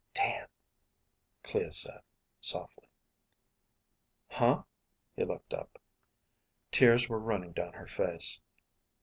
"Damn," Clea said, softly. "Huh?" He looked up. Tears were running down her face.